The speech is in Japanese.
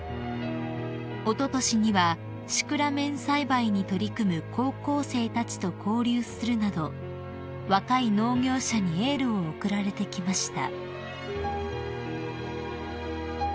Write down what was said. ［おととしにはシクラメン栽培に取り組む高校生たちと交流するなど若い農業者にエールを送られてきました］